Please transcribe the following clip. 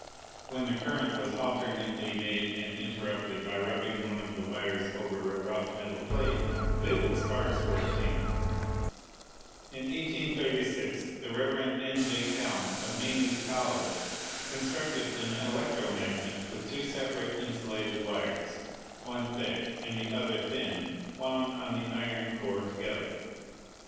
When the current was alternately made and interrupted 204 ELECTRICITY by rubbing one of the wires over a rough metal plate, vivid sparks were obtained. In 1836 the Rev. N. J. Cal lan, of Maynooth College, constructed an electromagnet with two separate insulated wires, one thick and the other thin, wound on the iron core together.